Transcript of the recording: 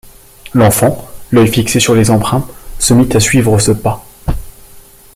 L’enfant, l’œil fixé sur les empreintes, se mit à suivre ce pas.